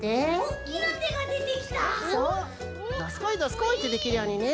どすこいどすこいってできるようにね。